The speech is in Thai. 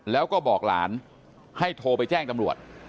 แล้วก็บอกหลานให้โทรไปแจ้งตำรวจ